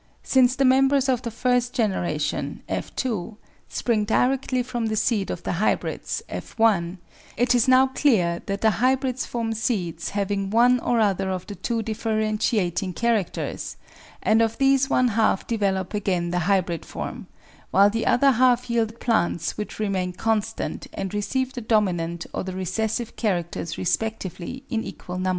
Since the members of the first generation [F 2 ] spring directly from the seed of the hybrids [Fi], it is now clear that the hybrids form seeds having one or other of the two differentiating characters, and of these one half develop again the hybrid form, while the other half yield plants which remain constant and receive the dominant or the recessive characters [respectively] in equal numbers.